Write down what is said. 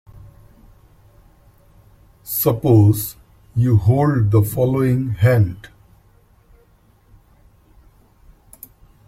Suppose you hold the following hand.